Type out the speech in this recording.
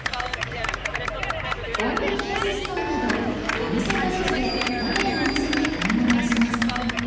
コンビニエンスストアなどお店のレジで画面を見せて買い物をします。